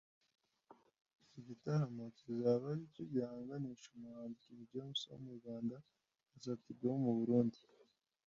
Iki gitaramo kikazaba ari icyo kuhanganisha umuhanzi King James wo mu Rwanda na Sat-B wo mu Burundi